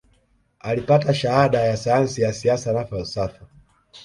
Alipata shahada ya sayansi ya siasa na falsafa